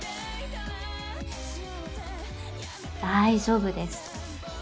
大丈夫です。